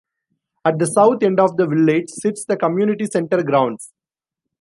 At the south end of the village sits the community centre grounds.